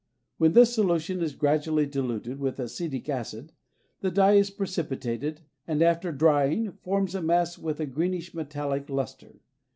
When this solution is gradually diluted with acetic acid, the dye is precipitated, and after drying forms a mass with a greenish metallic lustre.